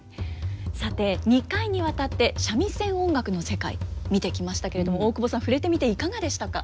さて２回にわたって三味線音楽の世界見てきましたけれども大久保さん触れてみていかがでしたか。